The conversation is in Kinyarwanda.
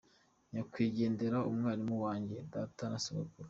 Nyakwigendera umwarimu wanjye, data na sogokuru.